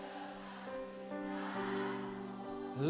dengan cinta aku